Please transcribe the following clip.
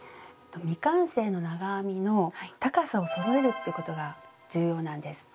未完成の長編みの高さをそろえるっていうことが重要なんです。